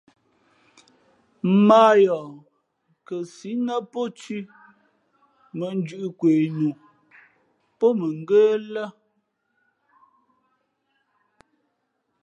Mᾱ a yoh kαsǐ nά pó thʉ̄ mᾱ njūʼ kwe nu pó mα ngə́ lά.